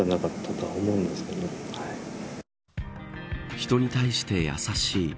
人に対して優しい。